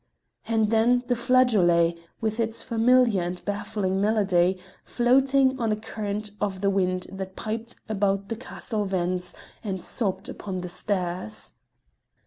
And then the flageolet, with its familiar and baffling melody, floating on a current of the wind that piped about the castle vents and sobbed upon the stairs.